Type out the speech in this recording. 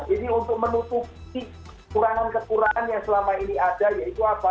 ini untuk menutupi kekurangan kekurangan yang selama ini ada yaitu apa